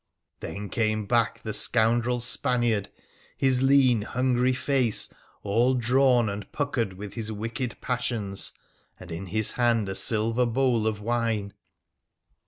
Then back came the scoundrel Spaniard, his lean, hungry face all drawn and puckered with his wicked passions, and in bis hand a silver bowl of wine.